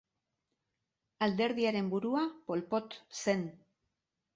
Alderdiaren burua Pol Pot zen.